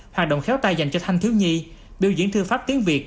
hoạt động khéo tay dành cho thanh thiếu nhi biểu diễn thư pháp tiếng việt